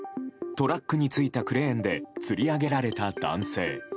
トラックについたクレーンでつり上げられた男性。